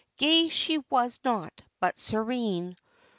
Gay she was not, but serene.